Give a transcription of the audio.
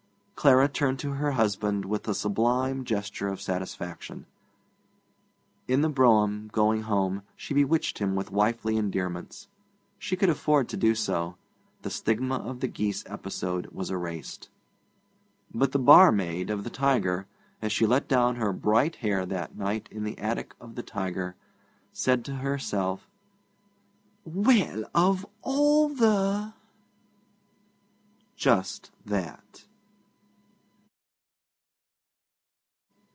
Clara turned to her husband with a sublime gesture of satisfaction. In the brougham, going home, she bewitched him with wifely endearments. She could afford to do so. The stigma of the geese episode was erased. But the barmaid of the Tiger, as she let down her bright hair that night in the attic of the Tiger, said to herself, 'Well, of all the ' Just that.